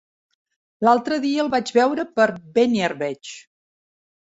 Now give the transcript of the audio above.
L'altre dia el vaig veure per Beniarbeig.